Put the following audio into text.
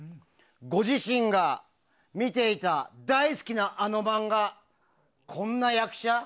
ご自身が見ていた大好きなあの漫画こんな役者？